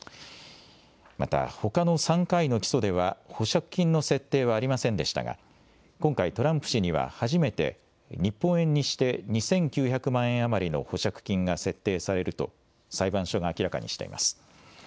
また、ほかの３回の起訴では、保釈金の設定はありませんでしたが、今回、トランプ氏には初めて、日本円にして２９００万円余りの保釈金が設定されると裁判所が明らかにしています。